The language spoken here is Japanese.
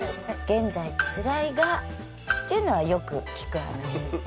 「現在辛いが」っていうのはよく聞く話ですよね。